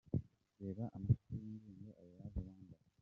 Reba amashusho y'indirimbo 'I love Rwanda'.